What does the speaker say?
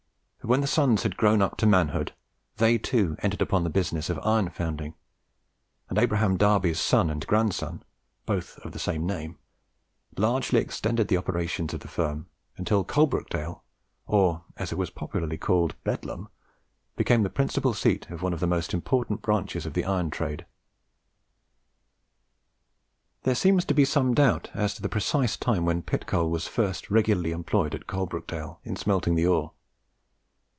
But when the sons had grown up to manhood, they too entered upon the business of iron founding; and Abraham Darby's son and grandson, both of the same name, largely extended the operations of the firm, until Coalbrookdale, or, as it was popularly called, "Bedlam," became the principal seat of one of the most important branches of the iron trade. There seems to be some doubt as to the precise time when pit coal was first regularly employed at Coalbrookdale in smelting the ore.